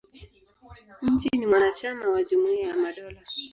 Nchi ni mwanachama wa Jumuia ya Madola.